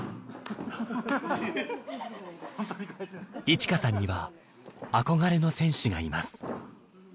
衣千華さんには憧れの選手がいます。